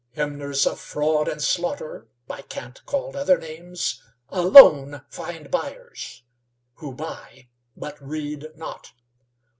Hymners of fraud and slaughter, By cant called other names, alone find buyers Who buy, but read not.